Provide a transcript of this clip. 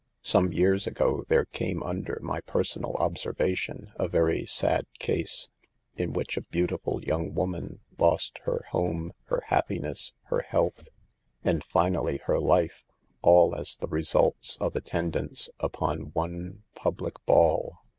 Some years ago there came under my per sonal observation a very sad case, in which a beautiful young woman lost her home, her happiness, her health, and finally her life, all as the results of attendance upon one public 58 SAVE THE GIBLS. ball.